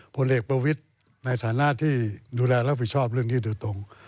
ผลเอกประวิทย์ในฐานะที่ดูแลรับผิดชอบเรื่องนี้โดยตรง